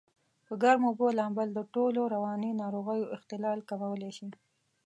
په ګرمو اوبو لامبل دټولو رواني ناروغیو اختلال کمولای شي.